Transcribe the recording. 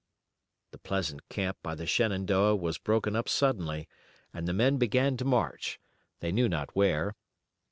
The pleasant camp by the Shenandoah was broken up suddenly, and the men began to march they knew not where.